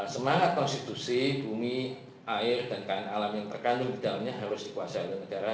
semangat konstitusi bumi air dan kain alam yang terkandung di dalamnya harus dikuasai oleh negara